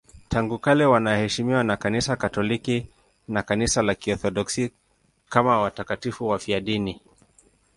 Tangu kale wanaheshimiwa na Kanisa Katoliki na Kanisa la Kiorthodoksi kama watakatifu wafiadini.